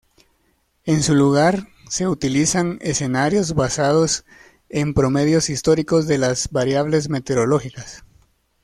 En su lugar se utilizan escenarios basados en promedios históricos de las variables meteorológicas.